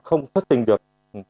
không xuất tình được